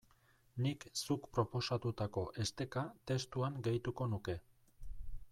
Nik zuk proposatutako esteka testuan gehituko nuke.